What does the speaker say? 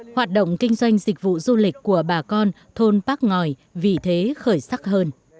hoạt động kinh doanh dịch vụ du lịch của bà con thôn bác ngòi vì thế khởi sắc hơn